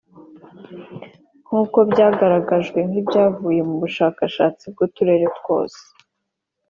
Nk’uko byagaragajwe n’ibyavuye mu bushakashatsi bw’uturere twose